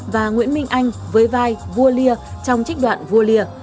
và nguyễn minh anh với vai vua lia trong trích đoạn vua lìa